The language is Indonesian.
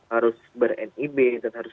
harus ber nib dan harus